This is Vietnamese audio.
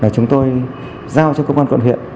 chúng tôi giao cho công an quận huyện